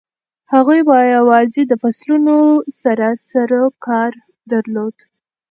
هغوی یوازې د فصلونو سره سروکار درلود.